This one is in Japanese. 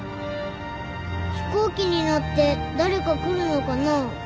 飛行機に乗って誰か来るのかな？